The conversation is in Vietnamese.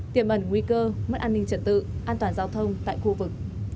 tiềm ẩn nguy cơ mất an ninh trật tự an toàn giao thông tại khu vực